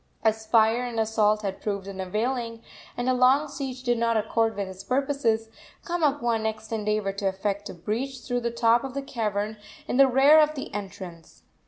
As fire and assault had proved unavailing, and a long siege did not accord with his purposes, Kamapuaa next endeavored to effect a breach through the top of the cavern in the rear of the entrance.